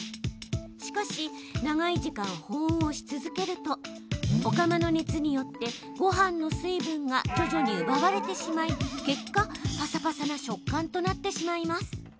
しかし長い時間保温をし続けるとお釜の熱によってごはんの水分が徐々に奪われてしまい結果パサパサな食感になってしまいます。